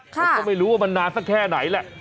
ผมก็ไม่รู้ว่ามันนานสักแค่ไหนแหละ